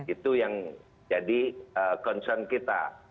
itu yang jadi concern kita